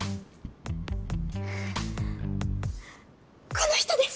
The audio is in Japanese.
この人です！